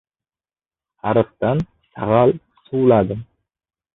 Ariqdan sag‘al suvladim.